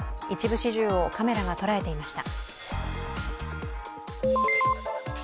一部始終をカメラが捉えていました。